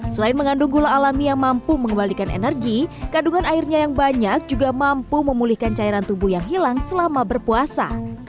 selain mengandung gula alami yang mampu mengembalikan energi kandungan airnya yang banyak juga mampu memulihkan cairan tubuh yang hilang selama berpuasa